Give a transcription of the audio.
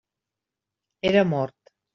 Era mort.